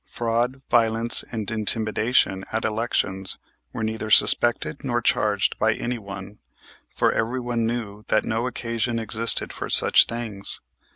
Fraud, violence, and intimidation at elections were neither suspected nor charged by anyone, for everyone knew that no occasion existed for such things.